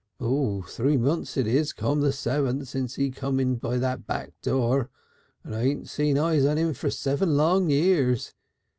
"Three months it is come the seventh since he come in by that very back door and I hadn't set eyes on him for seven long years.